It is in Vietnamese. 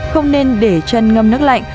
không nên để chân ngâm nước lạnh